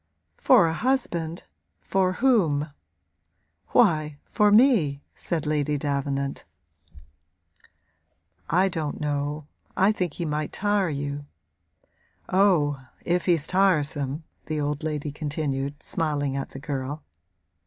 'For a husband for whom?' 'Why for me,' said Lady Davenant. 'I don't know I think he might tire you.' 'Oh if he's tiresome!' the old lady continued, smiling at the girl.